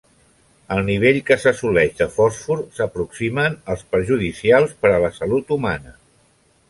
El nivell que s'assoleix de fòsfor s'aproximen als perjudicials per a la salut humana.